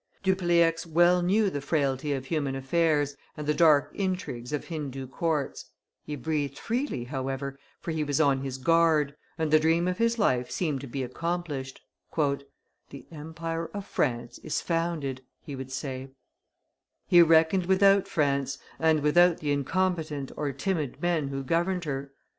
Dupleix well know the frailty of human affairs, and the dark intrigues of Hindoo courts; he breathed freely, however, for he was on his guard, and the dream of his life seemed to be accomplished. "The empire of France is founded," he would say. [Illustration: Dupleix meeting the Soudhabar of the Deccan 174] He reckoned without France, and without the incompetent or timid men who governed her.